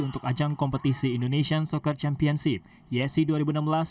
untuk ajang kompetisi indonesian soccer championship yesi dua ribu enam belas